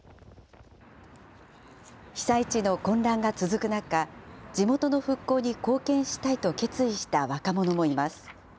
被災地の混乱が続く中、地元の復興に貢献したいと決意した若者もいます。